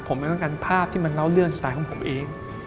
ผมไม่ต้องการภาพที่มันเล่าเรื่องสไตล์ของผมเอง